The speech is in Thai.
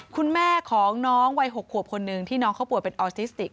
คุณแม่ของน้องวัย๖ขวบคนหนึ่งที่น้องเขาป่วยเป็นออทิสติก